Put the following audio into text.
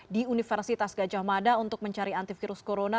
di universitas gajah mada untuk mencari antivirus corona